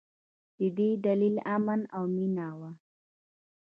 د دې دلیل امن او مینه وه.